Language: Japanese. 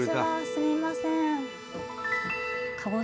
すみません。